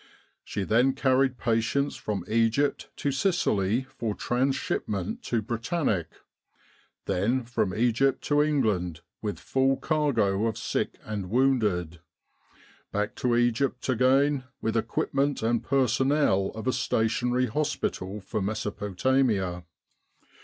She then carried patients from Egypt to Sicily for transhipment to Britannic. Then from Egypt to England with full cargo of sick and wounded. Back to Egypt again with equipment and personnel of a stationary hospital for Mesopotamia.